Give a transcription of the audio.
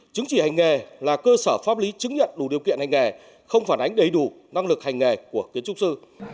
chứng chỉ hành nghề là cơ sở pháp lý chứng nhận đủ điều kiện hành nghề không phản ánh đầy đủ năng lực hành nghề của kiến trúc sư